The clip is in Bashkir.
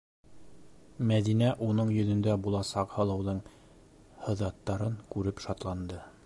Мәҙинә уның йөҙөндә буласаҡ һылыуҙың һыҙаттарын күреп шатланды.